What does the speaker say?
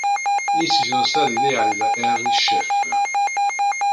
Essi sono stati ideati da Henry Sheffer.